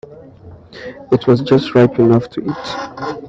It was just ripe enough to eat.